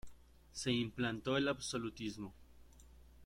Se implantó el absolutismo.